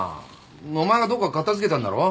お前がどっか片付けたんだろ？